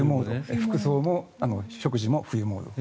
服装も食事も冬モード。